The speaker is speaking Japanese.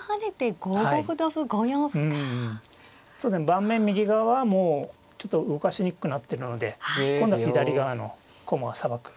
盤面右側はもうちょっと動かしにくくなってるので今度は左側の駒をさばく。